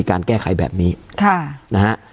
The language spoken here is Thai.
การแสดงความคิดเห็น